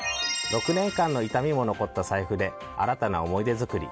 ６年間の痛みも残った財布で新たな思い出作り。